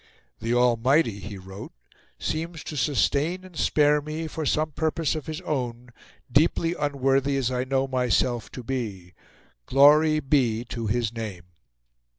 "The Almighty," he wrote, "seems to sustain and spare me for some purpose of His own, deeply unworthy as I know myself to be. Glory be to His name."